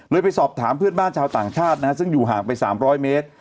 ไปสอบถามเพื่อนบ้านชาวต่างชาตินะฮะซึ่งอยู่ห่างไป๓๐๐เมตร